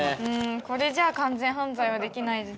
これじゃ完全犯罪はできないです。